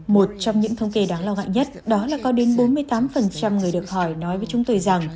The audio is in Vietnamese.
một trong những thống kê đáng lo ngại nhất đó là có đến bốn mươi tám người được hỏi nói với chúng tôi rằng